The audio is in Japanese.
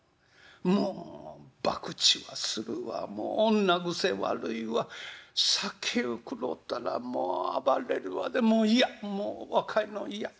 もうばくちはするわもう女癖悪いわ酒を食ろうたらもう暴れるわでもう嫌若いのは嫌。